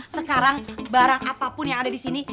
sekarang barang apapun yang ada disini